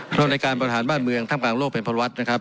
เพราะในการบริหารบ้านเมืองท่ามกลางโลกเป็นประวัตินะครับ